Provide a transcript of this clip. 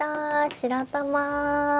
白玉。